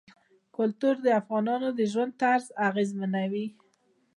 کلتور د افغانانو د ژوند طرز اغېزمنوي.